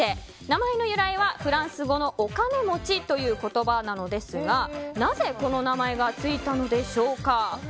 名前の由来はフランス語のお金持ちという言葉なのですがなぜこの名前がついたのでしょうか。